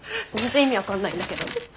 全然意味分かんないんだけど。